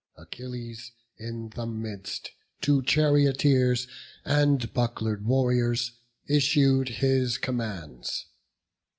Achilles in the midst to charioteers And buckler'd warriors issued his commands.